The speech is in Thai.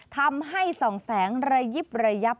ทำให้ส่องแสงระยิบระยับ